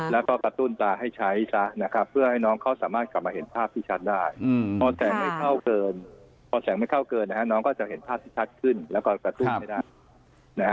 แล้วก็กระตุ้นตาให้ใช้ซะนะครับเพื่อให้น้องเขาสามารถกลับมาเห็นภาพที่ชัดได้พอแสงไม่เข้าเกินน้องก็จะเห็นภาพที่ชัดขึ้นแล้วก็กระตุ้นให้ได้